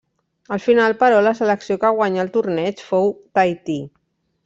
Al final però, la selecció que guanyà el torneig fou Tahití.